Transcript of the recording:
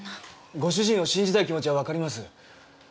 ご主人を信じたい気持ちはわかります。